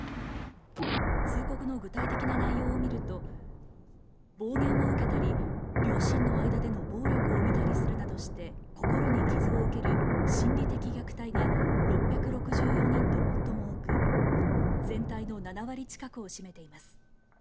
通告の具体的な内容を見ると暴言を受けたり両親の間での暴力を見たりするなどして心に傷を受ける、心理的虐待が６６４人と最も多く全体の７割近くを占めています。